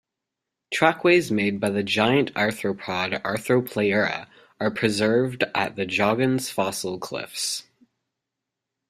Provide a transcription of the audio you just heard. Trackways made by the giant arthropod arthropleura are preserved at the Joggins Fossil Cliffs.